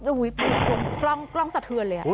โอ้ยเปลี่ยนกล้องสะเทือนเลยอ่ะ